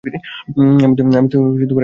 আমি তো এর কথা ভুলেও গেছি।